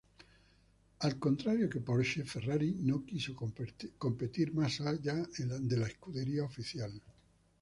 Al contrario que Porsche, Ferrari no quiso competir más allá de la escudería oficial.